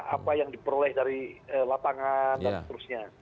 apa yang diperoleh dari lapangan dan seterusnya